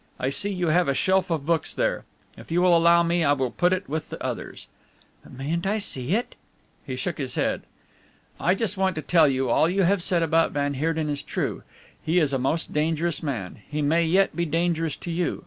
"I see you have a shelf of books here. If you will allow me I will put it with the others." "But mayn't I see it?" He shook his head. "I just want to tell you all you have said about van Heerden is true. He is a most dangerous man. He may yet be dangerous to you.